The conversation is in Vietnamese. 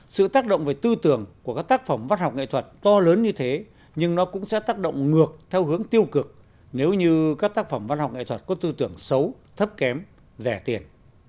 sự tác động về tư tưởng của các tác phẩm văn học nghệ thuật to lớn như thế nhưng nó cũng sẽ tác động ngược theo hướng tiêu cực nếu như các tác phẩm văn học nghệ thuật có tư tưởng xấu thấp kém rẻ tiền